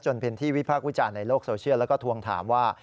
จนเป็นที่วิพากษ์วิจารณ์ในโลกโซเชียลแล้วก็ทวงถามว่า